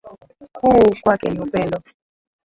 Kuu kwake ni upendo.